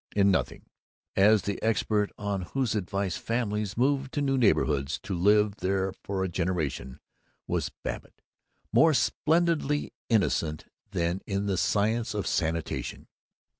In nothing as the expert on whose advice families moved to new neighborhoods to live there for a generation was Babbitt more splendidly innocent than in the science of sanitation.